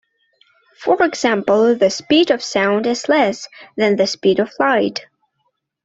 For example, the speed of sound is less than the speed of light.